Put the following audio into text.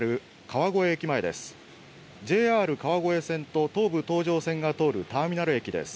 ＪＲ川越線と東武東上線が通るターミナル駅です。